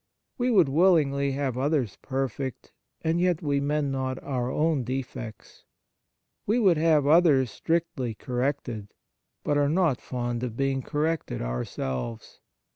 We would willingly have others perfect, and yet we mend not our own defects. We would have others strictly corrected, but are not fond of being corrected ourselves.